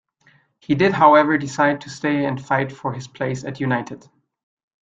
He did however decide to stay and fight for his place at United.